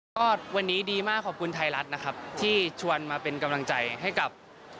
ก็วันนี้ดีมากขอบคุณไทยรัฐนะครับที่ชวนมาเป็นกำลังใจให้กับ